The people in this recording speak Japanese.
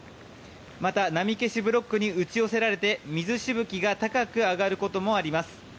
また、波消しブロックに打ち寄せられて水しぶきが高く上がることもあります。